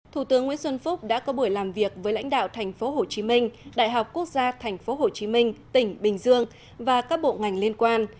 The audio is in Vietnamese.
thủ tướng nguyễn xuân phúc đã có buổi làm việc với lãnh đạo tp hcm đại học quốc gia tp hcm tỉnh bình dương và các bộ ngành liên quan